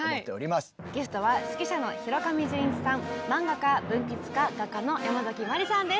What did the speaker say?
ゲストは指揮者の広上淳一さん漫画家文筆家画家のヤマザキマリさんです。